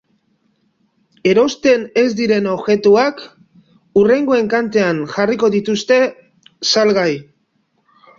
Erosten ez diren objektuak hurrengo enkantean jarriko dituzte salgai.